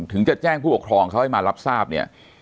ถึงจะแจ้งผู้ปกครองเขาให้มารับทราบเนี่ย